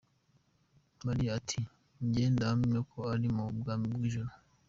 Mariya ati "Njye ndahamya ko ari mu bwami bw’ijuru.